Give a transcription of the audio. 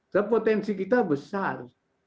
karena potensi kita besar